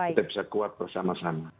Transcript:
kita bisa kuat bersama sama